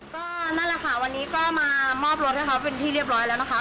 ก็นั่นแหละค่ะวันนี้ก็มามอบรถให้เขาเป็นที่เรียบร้อยแล้วนะคะ